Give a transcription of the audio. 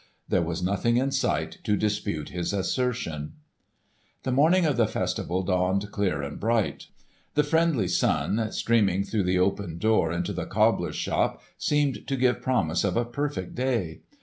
there was nothing in sight to dispute his assertion. The morning of the festival dawned clear and bright. The friendly sun streaming through the open door into the cobbler's shop seemed to give promise of a perfect day.